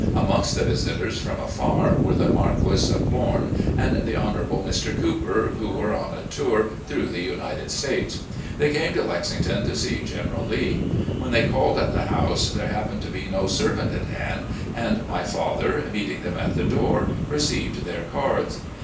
Amongst the visitors from afar were the Marquis of Lome and the Hon. Mr. Cooper, who were on a tour through the United States. They came to Lex ington to see General Lee. When they called at the house there happened to be no servant at hand, and my father, meeting them at the door, received their cards.